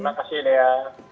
terima kasih nia